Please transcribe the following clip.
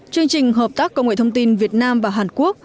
chương trình hợp tác công nghệ thông tin việt nam và hàn quốc